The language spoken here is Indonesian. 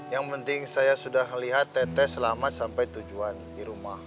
yang penting saya sudah lihat tete selamat sampai tujuan di rumah